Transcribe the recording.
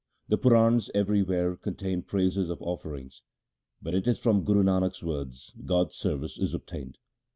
The Purans everywhere contain praises of offerings, but it is from Guru Nanak's words God's service is obtained.